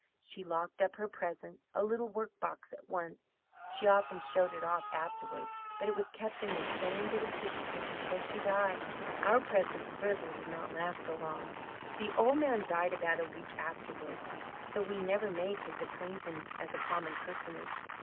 She locked up her present (a little work box) at once. She often showed it off afterward, but it was kept in the same bit of tissue paper till she died. Our presents certainly did not last so long! "The old man died about a week afterward, so we never made his acquaintance as a common personage.